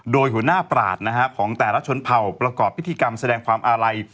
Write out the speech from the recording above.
โดยหัวหน้าปราศของแต่ละชนเผ่าประกอบพิธีกรรมแสดงความอาลัย